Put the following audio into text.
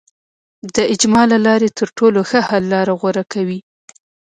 د اجماع له لارې تر ټولو ښه حل لاره غوره کوي.